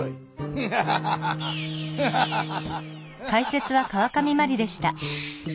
フハハハハハハハハ。